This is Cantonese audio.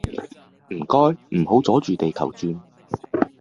唔該唔好阻住地球轉